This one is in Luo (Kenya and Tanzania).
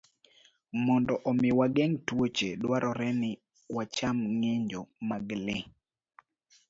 Mondo omi wageng' tuoche, dwarore ni wacham ng'injo mag le.